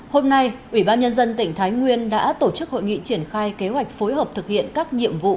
hôm nay ủy ban nhân dân tỉnh thái nguyên đã tổ chức hội nghị triển khai kế hoạch phối hợp thực hiện các nhiệm vụ